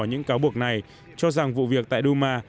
những cáo buộc này cho rằng vụ việc tại duma